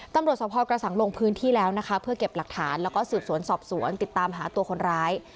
ตำรวจสภกระสังลงพื้นที่แล้วนะคะเพื่อเก็บหลักฐานแล้วก็สืบสวนสอบสวนติดตามหาตัวคนร้าย